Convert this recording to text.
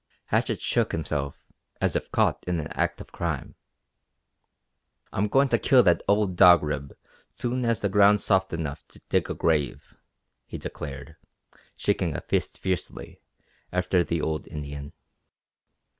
Hatchett shook himself, as if caught in an act of crime. "I'm going to kill that old Dog Rib soon as the ground's soft enough to dig a grave," he declared, shaking a fist fiercely after the old Indian.